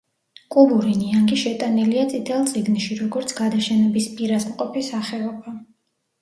კუბური ნიანგი შეტანილია წითელ წიგნში, როგორც გადაშენების პირას მყოფი სახეობა.